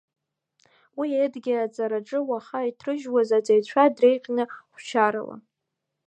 Уи, Едгьы, аҵараҿы уаха иҭрыжьуаз аҵаҩцәа дреиӷьын хәшьарала.